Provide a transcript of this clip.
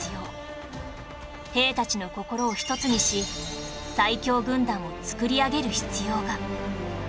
兵たちの心を一つにし最強軍団を作り上げる必要が